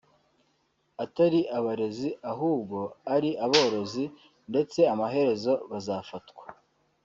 atari abarezi ahubwo ari ‘abarozi’ ndetse amaherezo bazafatwa